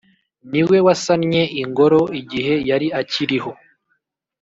ni we wasannye Ingoro igihe yari akiriho,